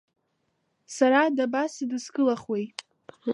Сара дабасыдыскылахуеи?